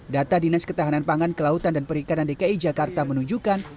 data dinas ketahanan pangan kelautan dan perikanan dki jakarta menunjukkan